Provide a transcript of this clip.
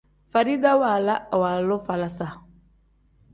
Farida waala iwaalu falaasa.